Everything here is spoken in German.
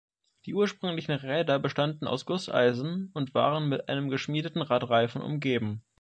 Die ursprünglichen Räder bestanden aus Gusseisen und waren mit einem geschmiedeten Radreifen umgeben.